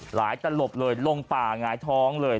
หลายแต่หลบเลยลงป่าหงายท้องเลย